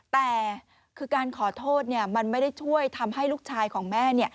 แต่คือการขอโทษมันไม่ได้ช่วยทำให้ลูกชายของแม่